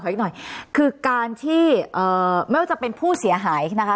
อีกหน่อยคือการที่เอ่อไม่ว่าจะเป็นผู้เสียหายนะคะ